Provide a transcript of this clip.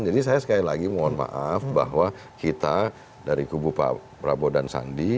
jadi saya sekali lagi mohon maaf bahwa kita dari kubu pak prabowo dan sandi